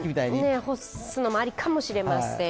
干すのもありかもしれません。